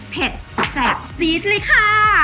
เผ็ดแสบซีดเลยค่ะ